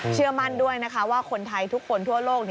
เชื่อมั่นด้วยนะคะว่าคนไทยทุกคนทั่วโลก